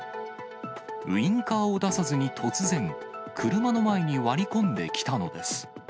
ウインカーを出さずに突然、車の前に割り込んできたのです。